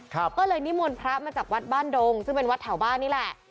ก็เลยนิมนต์พระมาจากวัดบ้านดงซึ่งเป็นวัดแถวบ้านนี่แหละ